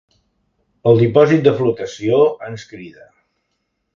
El dipòsit de flotació ens crida.